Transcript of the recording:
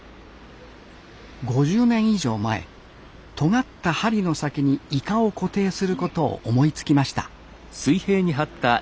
５０年以上前とがった針の先にイカを固定することを思いつきました